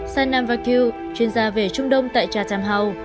sainam vakil chuyên gia về trung đông tại chatham hall